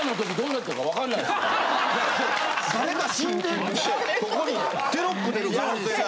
いや誰か死んでてここにテロップ出る可能性が。